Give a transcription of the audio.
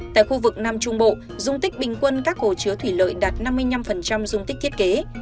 tại khu vực nam trung bộ dung tích bình quân các hồ chứa thủy lợi đạt năm mươi năm dung tích thiết kế